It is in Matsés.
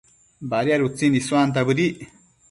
Badiad utsin issunta bëdic